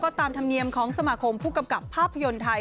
ตามธรรมเนียมของสมาคมผู้กำกับภาพยนตร์ไทย